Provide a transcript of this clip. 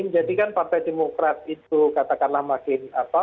kan partai demokrat itu katakanlah makin apa